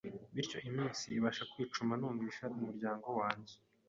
bityo iminsi ibashe kwicuma. Numvise umuryango wanjye,